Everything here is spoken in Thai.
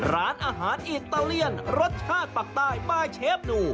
ร้านอาหารอิตาเลียนรสชาติปักใต้ป้ายเชฟดู